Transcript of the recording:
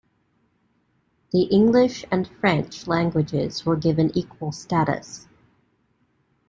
The English and French languages were given equal status.